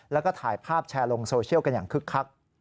แล้วก็ถ่ายภาพแชร์ลงโซเชียลกันอย่างคึกคัก